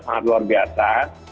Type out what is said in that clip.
sangat luar biasa